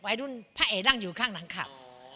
รุ่นพระเอกนั่งอยู่ข้างหลังขับ